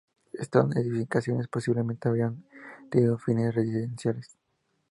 Estas edificaciones posiblemente habrían tenido fines residenciales.